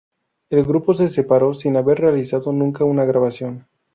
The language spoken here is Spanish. El grupo se separó sin haber realizado nunca una grabación.